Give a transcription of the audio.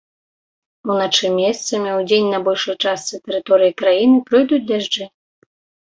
Уначы месцамі, удзень на большай частцы тэрыторыі краіны пройдуць дажджы.